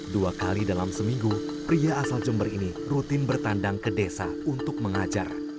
dua kali dalam seminggu pria asal jember ini rutin bertandang ke desa untuk mengajar